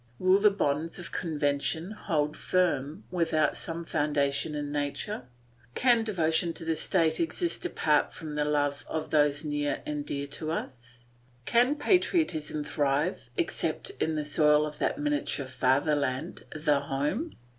Will the bonds of convention hold firm without some foundation in nature? Can devotion to the state exist apart from the love of those near and dear to us? Can patriotism thrive except in the soil of that miniature fatherland, the home?